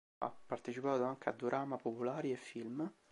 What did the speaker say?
Ha partecipato anche a dorama popolari e film.